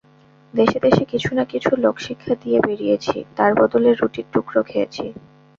দেশে দেশে কিছু না কিছু লোকশিক্ষা দিয়ে বেড়িয়েছি, তার বদলে রুটির টুকরো খেয়েছি।